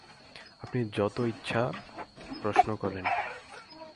আপনি যত ইচ্ছা প্রশ্ন করেন।